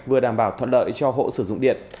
vừa đảm bảo thuận lợi cho hộ sử dụng điện